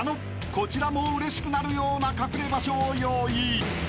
［こちらもうれしくなるような隠れ場所を用意］